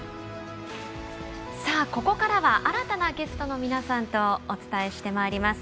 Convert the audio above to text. さあここからは新たなゲストの皆さんとお伝えしてまいります。